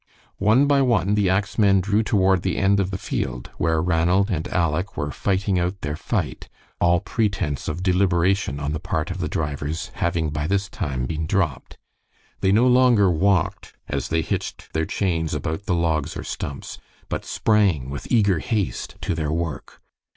One by one the ax men drew toward the end of the field, where Ranald and Aleck were fighting out their fight, all pretense of deliberation on the part of the drivers having by this time been dropped. They no longer walked as they hitched their chains about the logs or stumps, but sprang with eager haste to their work.